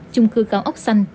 chung cư cao ốc xanh